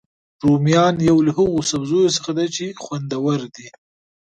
رومیان یو له هغوسبزیو څخه دي چې خوندور دي